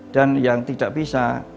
dan yang tidak bisa